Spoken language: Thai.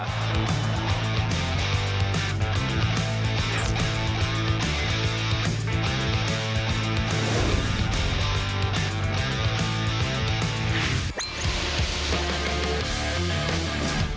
สเต็ปโต๊ะเล็กสวัสดีครับ